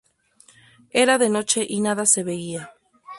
Era de noche y nada se veía.